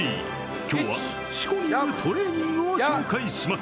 今日は、しこによるトレーニングを紹介します。